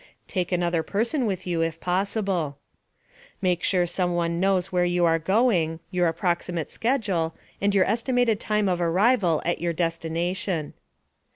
Take another person with you if possible. Make sure someone knows where you are going, your approximate schedule, and your estimated time of arrival at your destination.